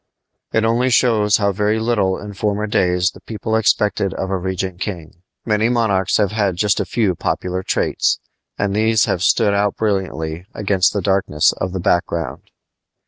It only shows how very little in former days the people expected of a regnant king. Many monarchs have had just a few popular traits, and these have stood out brilliantly against the darkness of the background.